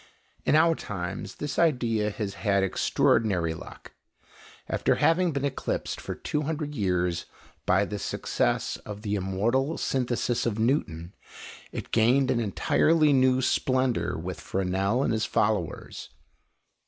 In our times this idea has had extraordinary luck. After having been eclipsed for two hundred years by the success of the immortal synthesis of Newton, it gained an entirely new splendour with Fresnel and his followers.